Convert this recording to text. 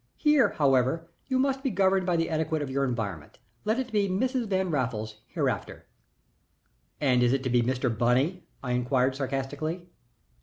Here, however, you must be governed by the etiquette of your environment. Let it be Mrs. Van Raffles hereafter." "And is it to be Mr. Bunny?" I inquired, sarcastically.